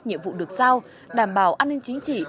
nhiệm vụ được giao đảm bảo an ninh chính trị